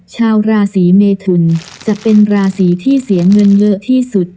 ชาวราศีเมทุนจะเป็นราศีที่เสียเงินเยอะที่สุด